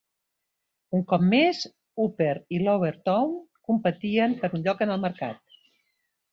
Un cop més, Upper i Lower Town competien per un lloc en el mercat.